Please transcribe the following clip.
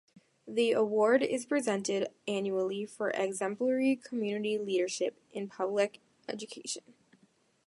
The award is presented annually for "exemplary community leadership in public education".